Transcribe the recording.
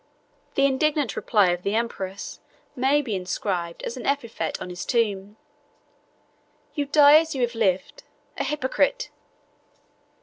The indignant reply of the empress may be inscribed as an epitaph on his tomb, "You die, as you have lived—A Hypocrite!"